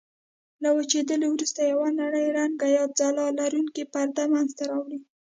له وچېدلو وروسته یوه نرۍ رنګه یا ځلا لرونکې پرده منځته راوړي.